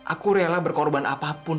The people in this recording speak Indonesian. aku rela berkorban apapun